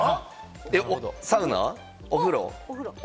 サウナ？お風呂？